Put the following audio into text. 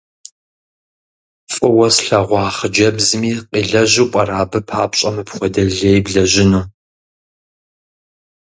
ФӀыуэ слъэгъуа хъыджэбзми къилэжьу пӀэрэ абы папщӀэ мыпхуэдэ лей блэжьыну?